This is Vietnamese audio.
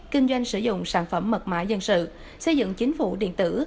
kinh doanh sử dụng sản phẩm mật mã dân sự xây dựng chính phủ điện tử